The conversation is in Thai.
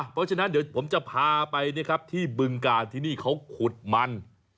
เพราะฉะนั้นเดี๋ยวผมจะพาไปนะครับที่บึงกาลที่นี่เขาขุดมัน